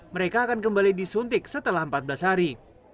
mereka akan kembali disuntik setelah empat belas hari